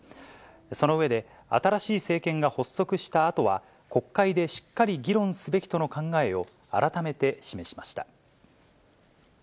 その上で、新しい政権が発足したあとは、国会でしっかり議論すべきとの考えを改めて示しました。